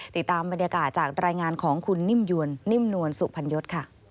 ติดตามบรรยากาศจากรายงานของคุณนิ่มยวนนิ่มนวลสุพรรณยศค่ะ